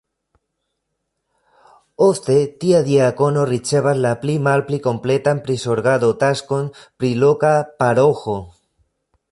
Ofte tia diakono ricevas la pli malpli kompletan prizorgado-taskon pri loka paroĥo.